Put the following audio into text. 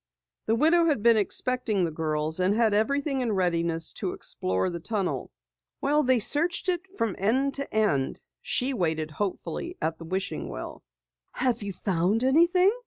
The widow had been expecting the girls and had everything in readiness to explore the tunnel. While they searched it from end to end, she waited hopefully at the wishing well. "Have you found anything?"